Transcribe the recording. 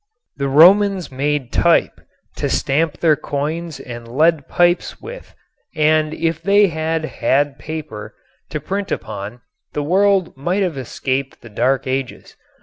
The Romans made type to stamp their coins and lead pipes with and if they had had paper to print upon the world might have escaped the Dark Ages.